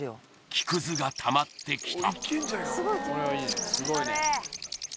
木屑がたまってきた